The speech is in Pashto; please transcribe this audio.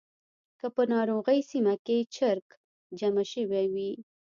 که په ناروغۍ سیمه کې چرک جمع شوی وي.